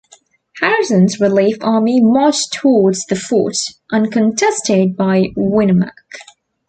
Harrison's relief army marched towards the fort, uncontested by Winamac.